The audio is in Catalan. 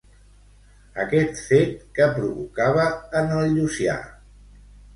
Aquest fet, què provocava en el Llucià?